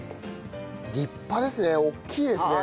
立派ですね大きいですね。